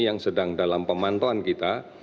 yang sedang dalam pemantauan kita